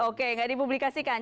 oke tidak dipublikasikan